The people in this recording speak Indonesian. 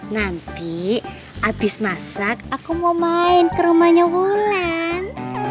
nanti habis masak aku mau main ke rumahnya wulan